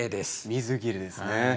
水切れですね。